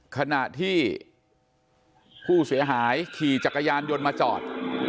ขณะที่ผู้เสียหายขี่จักรยานยนต์มาจอด